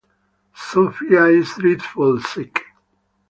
Sofia is dreadful sick.